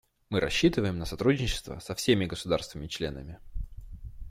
Мы рассчитываем на сотрудничество со всеми государствами-членами.